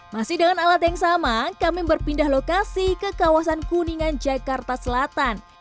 masih dengan alat yang sama kami berpindah lokasi ke kawasan kuningan jakarta selatan